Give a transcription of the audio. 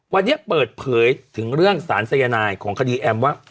วันนี้เปิดเผยถึงเรื่องสารสายนายของคดีแอมว่า